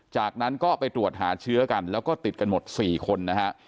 จากนั้นก็ไปตรวจหาเชื้อกันแล้วก็ติดกันหมด๔คนนะฮะ